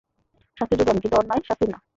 শাস্তির যোগ্য আমি, কিন্তু অন্যায় শাস্তির না।